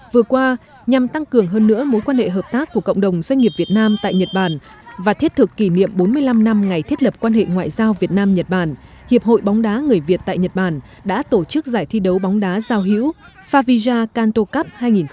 vừa qua nhằm tăng cường hơn nữa mối quan hệ hợp tác của cộng đồng doanh nghiệp việt nam tại nhật bản và thiết thực kỷ niệm bốn mươi năm năm ngày thiết lập quan hệ ngoại giao việt nam nhật bản hiệp hội bóng đá người việt tại nhật bản đã tổ chức giải thi đấu bóng đá giao hữu favija canto cup hai nghìn một mươi chín